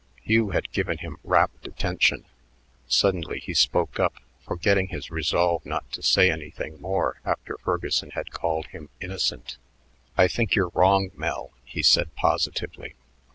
Hugh had given him rapt attention. Suddenly he spoke up, forgetting his resolve not to say anything more after Ferguson had called him "innocent." "I think you're wrong, Mel," he said positively.